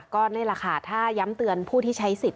ก็นี่แหละค่ะถ้าย้ำเตือนผู้ที่ใช้สิทธิ